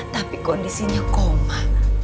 tapi kondisinya koma